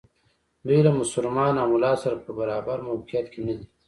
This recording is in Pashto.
دوی له مسلمان او ملا سره په برابر موقعیت کې ندي.